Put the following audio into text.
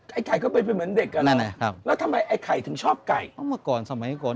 ไอ้ไข่ก็เป็นเหมือนเด็ก